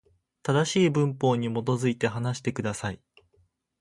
正しい文法に基づいて、話してください。